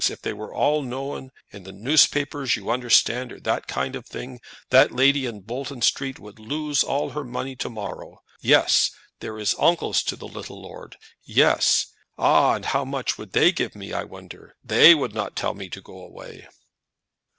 If they were all known, in the newspapers, you understand, or that kind of thing, that lady in Bolton Street would lose all her money to morrow. Yes. There is uncles to the little lord; yes! Ah, how much would they give me, I wonder? They would not tell me to go away."